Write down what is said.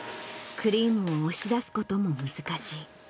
クリームを押し出すことも難しい。